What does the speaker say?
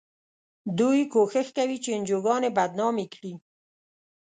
دوی کوښښ کوي چې انجوګانې بدنامې کړي.